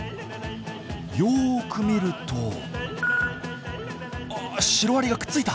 よく見るとあっシロアリがくっついた！